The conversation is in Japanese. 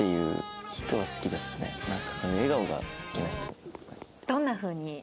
笑顔が好きな。